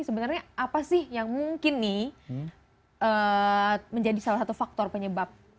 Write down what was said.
sebenarnya apa sih yang mungkin nih menjadi salah satu faktor penyebab